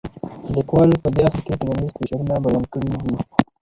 لیکوال په دې اثر کې ټولنیز فشارونه بیان کړي دي.